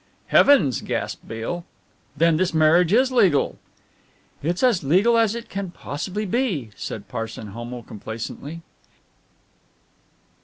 "Heavens!" gasped Beale, "then this marriage is legal!" "It's as legal as it can possibly be," said Parson Homo complacently.